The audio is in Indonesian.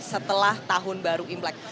setelah tahun baru imlek